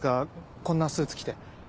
こんなスーツ着て。